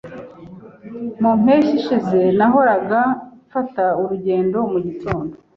Mu mpeshyi ishize, nahoraga mfata urugendo mugitondo.